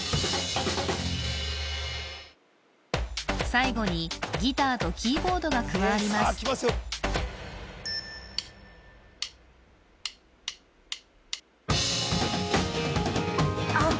最後にギターとキーボードが加わりますあっ